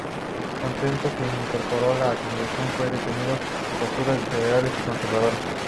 Centeno se incorporó al Congreso, donde defendió las posturas federales y conservadoras.